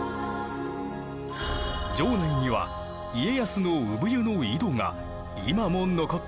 城内には家康の産湯の井戸が今も残っている。